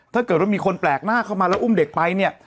ถ้าเกิดว่ามีคนแปลกหน้าเข้ามาแล้วอุ้มเด็กไปเนี่ย